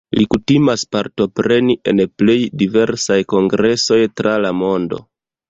Li kutimas partopreni en plej diversaj kongresoj tra la mondo.